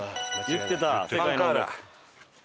言ってた。